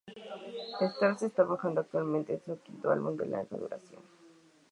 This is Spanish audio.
Stars están trabajando actualmente en su quinto álbum de larga duración.